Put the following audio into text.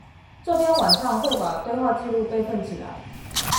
這邊晚上會把對話記錄備份起來